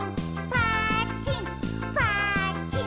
「ぱっちんぱっちん」